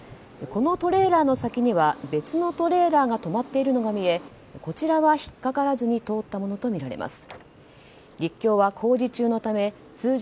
このトレーラーの先には別のトレーラーが止まっているのが見えこちらは引っかからずに通ったものとみられます。